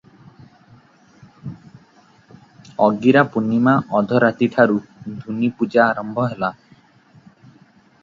ଅଗିରାପୂର୍ଣ୍ଣିମା ଅଧରାତିଠାରୁ ଧୂନି ପୂଜା ଆରମ୍ଭ ହେଲା ।